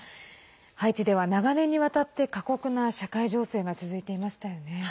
ハイチでは長年にわたって過酷な社会情勢が続いていましたよね。